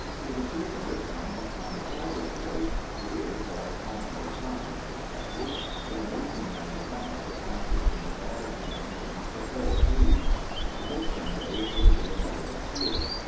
You can see from this one what kind of dog it is. The ears are commonly cropped in this country, but in 1895 the practice was abolished in England for all breeds. I hope some day it will be abolished here.